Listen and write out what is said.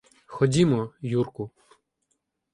Ходімо, Юрку.